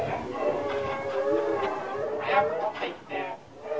早く持っていって。